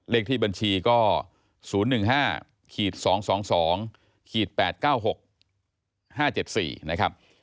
เลขที่บัญชีก็๐๑๕๒๒๘๙๖๕๗๔นะครับ